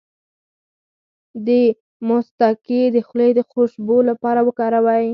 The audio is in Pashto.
د مصطکي د خولې د خوشبو لپاره وکاروئ